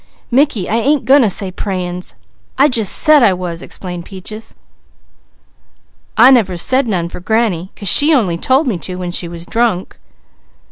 "Mickey, I ain't goin' to say prayin's! I just said I was," explained Peaches. "I never said none for granny, 'cause she only told me to when she was drunk."